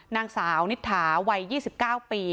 นางสาวนิษฐาวัย๒๙ปี